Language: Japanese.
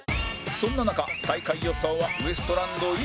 そんな中最下位予想はウエストランド井口